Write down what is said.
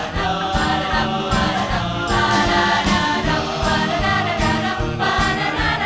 เต็มแสงหกแสง